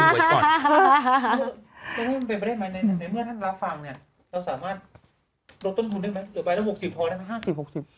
ต้องให้มันเป็นประเทศใหม่ในเมื่อท่านรับฟังเนี่ยเราสามารถลดต้นทุนได้ไหม